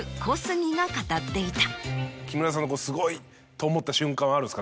木村さんのことすごいと思った瞬間はあるんですか？